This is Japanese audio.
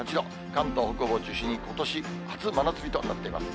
関東北部を中心にことし初真夏日となっています。